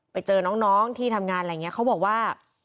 ไปเจอน้องที่ทำงานอะไรอย่างนี้เขาบอกว่า